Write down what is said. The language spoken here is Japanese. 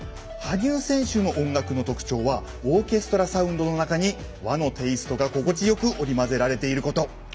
羽生選手の音楽の特徴はオーケストラサウンドの中に「和」のテイストが心地よく織り交ぜられていること。